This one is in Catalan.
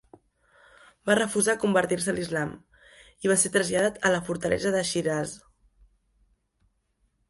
Va refusar convertir-se a l'islam i va ser traslladat a la fortalesa de Shiraz.